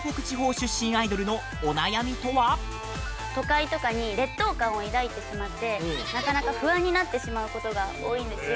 都会とかに劣等感を抱いてしまってなかなか不安になってしまうことが多いんですよ。